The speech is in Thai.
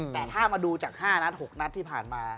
แต่ถ้ามาดูจาก๕นัด๖นัดที่ผ่านมา